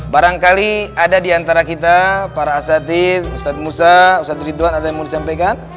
barangkali ada di antara kita para asatid ustadz musa ustadz ridwan ada yang mau disampaikan